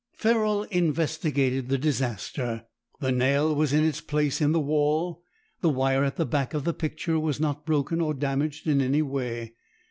Ferrol investigated the disaster. The nail was in its place in the wall; the wire at the back of the picture was not broken or damaged in any way.